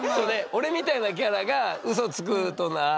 俺みたいなキャラがウソつくとあ何か。